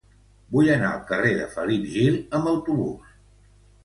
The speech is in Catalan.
Vull anar al carrer de Felip Gil amb autobús.